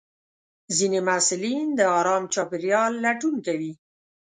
ځینې محصلین د ارام چاپېریال لټون کوي.